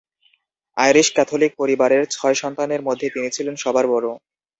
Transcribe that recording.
Irish-Catholic পরিবারের ছয় সন্তানের মধ্যে তিনি ছিলেন সবার বড়।